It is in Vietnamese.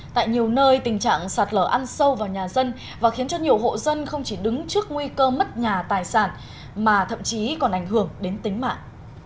tại nhiều nơi tình trạng sạt lở ăn sâu vào nhà dân và khiến cho nhiều hộ dân không chỉ đứng trước nguy cơ mất nhà tài sản mà thậm chí còn ảnh hưởng đến tính mạng